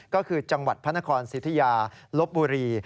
ก็คือจังหวัดพระนครสิทธิยาลบบุรี